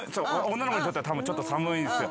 女の子にとってはたぶんちょっと寒いんすよ。